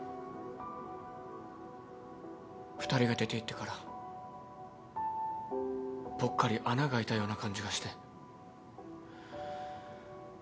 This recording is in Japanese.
２人が出ていってからぽっかり穴があいたような感じがして。